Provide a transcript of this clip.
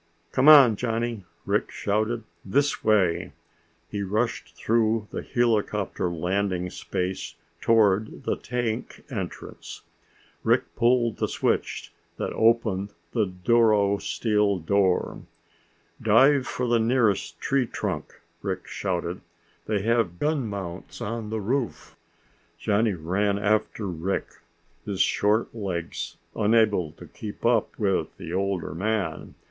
"Come on, Johnny," Rick shouted. "This way!" He rushed through the helicopter landing space toward the tank entrance. Rick pulled the switch that opened the duro steel door. "Dive for the nearest tree trunk," Rick shouted. "They have gun mounts on the roof." Johnny ran after Rick, his short legs unable to keep up with the older man.